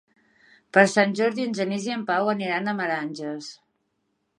Per Sant Jordi en Genís i en Pau aniran a Meranges.